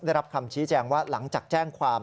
ได้รับคำชี้แจงว่าหลังจากแจ้งความ